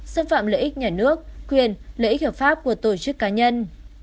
xâm phạm lợi ích nhà nước quyền lợi ích hợp pháp của tổ chức cá nhân